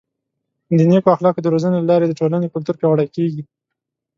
د نیکو اخلاقو د روزنې له لارې د ټولنې کلتور پیاوړی کیږي.